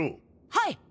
はい！